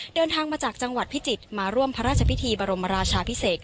เดินทางมาจากจังหวัดพิจิตรมาร่วมพระราชพิธีบรมราชาพิเศษ